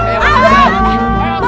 tidak ada apa apa